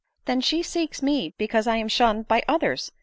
" Then she seeks me because I am shunned by others